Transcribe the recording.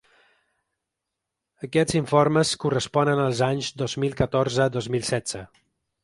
Aquest informes corresponen als anys dos mil catorze-dos mil setze.